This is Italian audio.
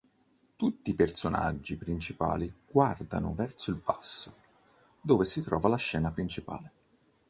Tutti i personaggi principali guardano verso il basso, dove si trova la scena principale.